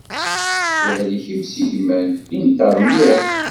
Ihlek imsigman, inṭer mliḥ.